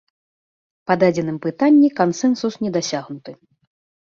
Па дадзеным пытанні кансэнсус не дасягнуты.